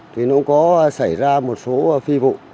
thì nó có xảy ra một số phi vụ